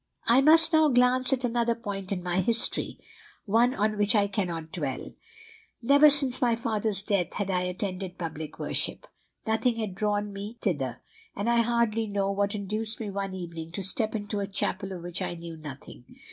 "I must now glance at another point in my history, one on which I cannot dwell. Never since my father's death had I attended public worship. Nothing had drawn me thither; and I hardly know what induced me one evening to step into a chapel of which I knew nothing.